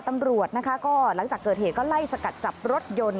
ตำรวจนะคะก็หลังจากเกิดเหตุก็ไล่สกัดจับรถยนต์